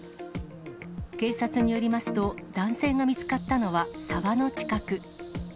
警察によりますと、男性が見つかったのは沢の近く。